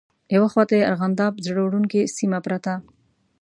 یوه خواته یې ارغنداب زړه وړونکې سیمه پرته.